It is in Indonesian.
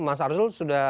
mas arzul sudah